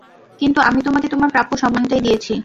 কিন্তু আমি তোমাকে তোমার প্রাপ্য সম্মানটাই দিয়েছি।